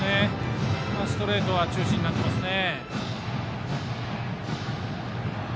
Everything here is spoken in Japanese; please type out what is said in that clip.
ストレートが中心になってますね。